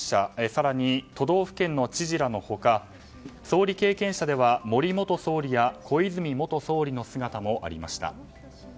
更に都道府県の知事らの他総理経験者では、森元総理や小泉元総理の姿もありました。